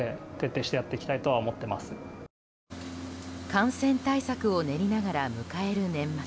感染対策を練りながら迎える年末。